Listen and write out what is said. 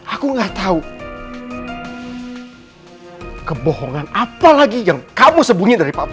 aku gak tahu kebohongan apa lagi yang kamu sembunyi dari papua